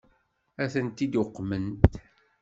Ad tent-id-uqment?